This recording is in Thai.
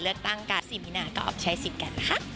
เลือกตั้งการ์ด๔มินาก็ออฟใช้สิทธิ์กันนะคะ